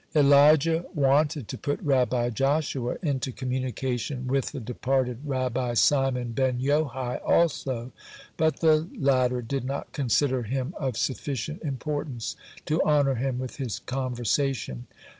(91) Elijah wanted to put Rabbi Joshua into communication with the departed Rabbi Simon ben Yohai also, but the later did not consider him of sufficient importance to honor him with his conversation.